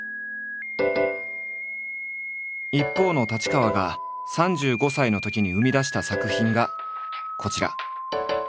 一方の太刀川が３５歳のときに生み出した作品がこちら。